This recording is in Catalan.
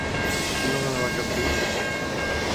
A quina dona va captivar?